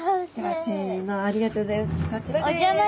せのありがとうギョざいます。